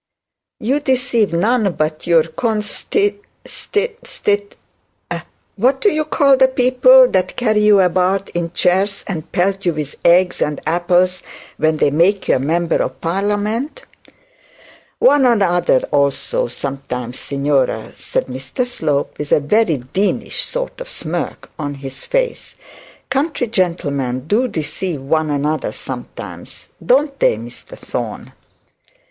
'You deceive none but your consti stit stit; what do you call the people that carry you about in chairs and pelt you with eggs and apples when they make you a member of parliament?' 'One another also, sometimes, signora,' said Mr Slope, with a deanish sort of smirk on his face. 'Country gentlemen do deceive one another sometimes, don't they, Mr Thorne?'